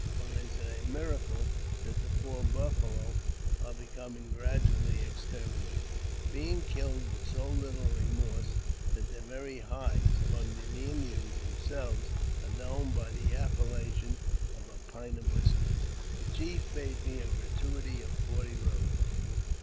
or is it a miracle that the poor buffalo are becoming gradually exterminated, being killed with so little remorse that their very hides, among the Indians themselves,, are known by the appellation of a pint of whisky ! 1 JAMES P. BECKWOUBTH. 367 The chief made me a gratuity of forty robes.